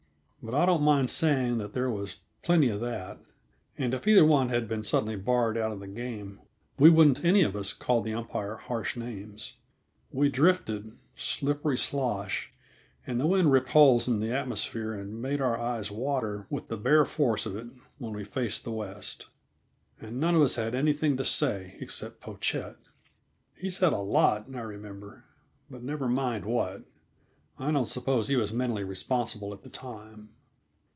But I don't mind saying that there was plenty of that, and if either one had been suddenly barred out of the game we wouldn't any of us have called the umpire harsh names. We drifted, slippety slosh, and the wind ripped holes in the atmosphere and made our eyes water with the bare force of it when we faced the west. And none of us had anything to say, except Pochette; he said a lot, I remember, but never mind what. I don't suppose he was mentally responsible at the time.